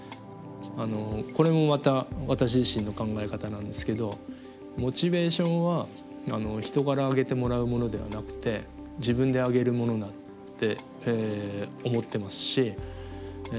あのこれもまた私自身の考え方なんですけどモチベーションは人から上げてもらうものではなくて自分で上げるものだって思ってますし